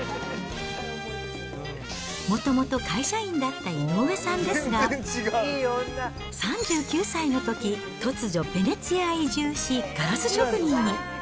もともと会社員だった井上さんですが、３９歳のとき、突如、ヴェネツィアへ移住し、ガラス職人に。